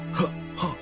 はっ！